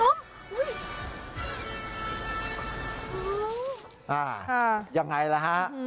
อ่ายังไงล่ะฮะ